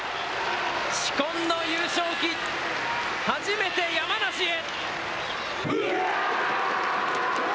紫紺の優勝旗、初めて山梨へ。